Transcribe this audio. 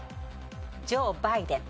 ジョー・バイデン。